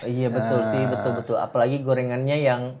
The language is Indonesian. iya betul sih betul betul apalagi gorengannya yang